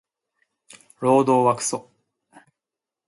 労働はクソ